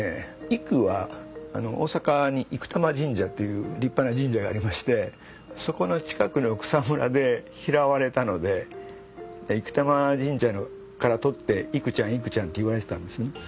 いくは大阪に生國魂神社という立派な神社がありましてそこの近くの草むらで拾われたので生國魂神社から取っていくちゃんいくちゃんって言われてたんですね。